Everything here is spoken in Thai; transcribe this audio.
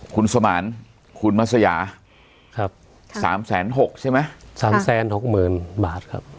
คุณสมานคุณมัสยาครับสามแสนหกใช่ไหมสามแสนหกหมื่นบาทครับ